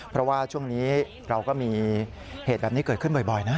เพราะว่าช่วงนี้เราก็มีเหตุแบบนี้เกิดขึ้นบ่อยนะ